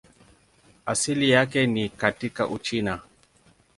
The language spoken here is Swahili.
Asili yake ni katika Uchina.